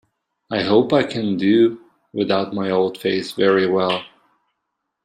I hope I can do without my old face very well.